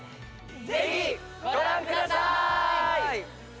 ぜひご覧くださーい！